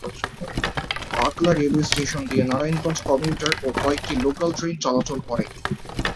পাগলা railway station দিয়ে Narayanganj commuter ও কয়েকটি লোকাল ট্রেন চলাচল করে।